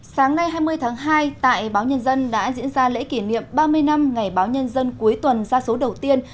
sáng nay hai mươi tháng hai tại báo nhân dân đã diễn ra lễ kỷ niệm ba mươi năm ngày báo nhân dân cuối tuần ra số đầu tiên